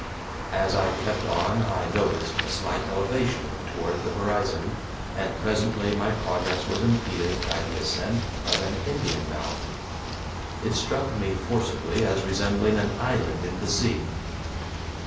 As I kept on I noticed a slight elevation toward the horizon, and presently my progress was impeded by the ascent of an Indian mound. It struck me forcibly as resembling an island in the sea.